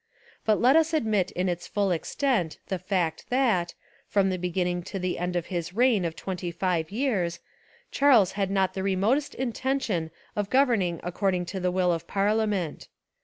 But let us admit in its full extent the fact that, from the beginning to the end of his reign of twenty five years, Charles had not the remotest intention of governing according to the will of parliament.